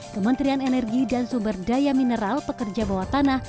kementerian energi dan sumber daya mineral pekerja bawah tanah